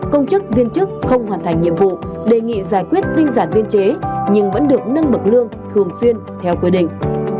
công chức viên chức không hoàn thành nhiệm vụ đề nghị giải quyết tinh giản biên chế nhưng vẫn được nâng bậc lương thường xuyên theo quy định